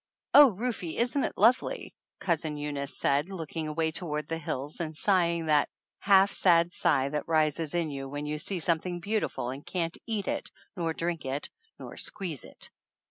"Oh, Rufe, isn't it lovely?" Cousin Eunice said, looking away toward the hills and sigh ing that half sad sigh that rises in you when you see something beautiful and can't eat it nor drink it nor squeeze it.